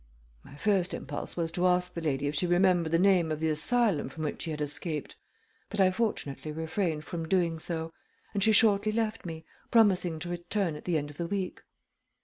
My first impulse was to ask the lady if she remembered the name of the asylum from which she had escaped, but I fortunately refrained from doing so, and she shortly left me, promising to return at the end of the week.